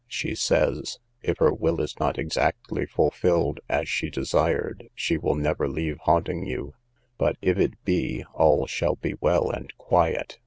she says, if her will is not exactly fulfilled as she desired, she will never leave haunting you; but, if it be, all shall be well and quiet.